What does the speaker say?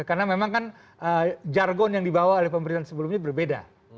karena memang kan jargon yang dibawa oleh pemerintahan sebelumnya berbeda